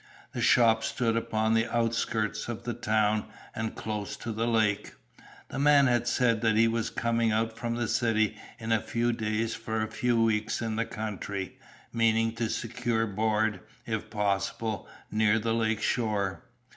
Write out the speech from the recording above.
The shop stood upon the outskirts of the town and close to the lake. The man had said that he was coming out from the city in a few days for a few weeks in the country, meaning to secure board, if possible, near the lake shore.